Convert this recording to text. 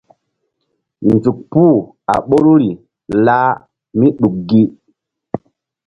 Nzuk puh a ɓoruri lah míɗuk gi.